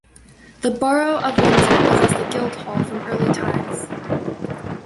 The Borough of Windsor possessed a guildhall from early times.